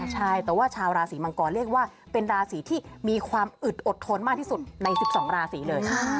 ใช่แต่ว่าชาวราศีมังกรเรียกว่าเป็นราศีที่มีความอึดอดทนมากที่สุดใน๑๒ราศีเลย